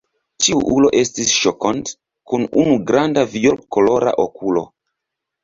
Tiu ulo estis Ŝokond, kun unu granda violkolora okulo.